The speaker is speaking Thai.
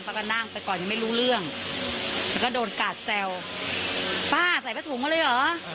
ก็นั่งไปก่อนยังไม่รู้เรื่องแล้วก็โดนกาดแซวป้าใส่ผ้าถุงมาเลยเหรอ